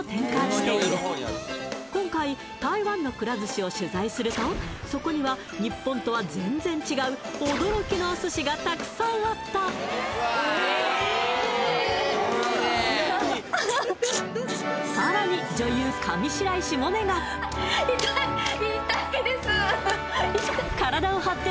今回台湾のくら寿司を取材するとそこには日本とは全然違う驚きのお寿司がたくさんあったさらに女優体を張って